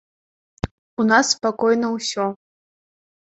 У нас спакойна ўсё.